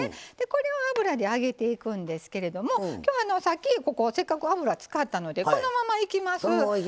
これを油で揚げていくんですけれどもさっきせっかく油を使ったのでこのままいきます。